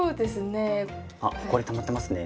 あほこりたまってますね。